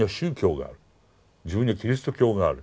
自分にはキリスト教がある。